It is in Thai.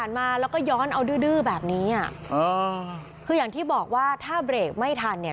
มาแล้วก็ย้อนเอาดื้อดื้อแบบนี้อ่ะอ๋อคืออย่างที่บอกว่าถ้าเบรกไม่ทันเนี่ย